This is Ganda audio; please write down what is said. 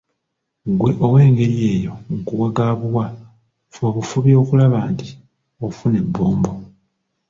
Gggwe ow'engeri eyo nkuwa ga buwa, fuba bufubi okulaba nti ofuna ebbombo.